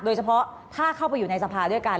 โดยเฉพาะถ้าเข้าไปอยู่ในสภาด้วยกัน